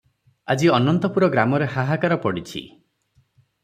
ଆଜି ଅନନ୍ତପୁର ଗ୍ରାମରେ ହାହାକାର ପଡ଼ିଛି ।